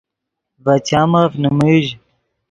ڤے چامف نیمیژ